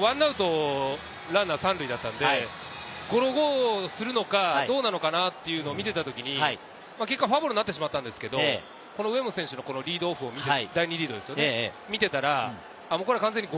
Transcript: １アウトランナー３塁だったので、ゴロするのか、どうするのかなってみていた時にフォアボールなってしまったんですけれど、上本選手のリードオフ、第２リードですよね。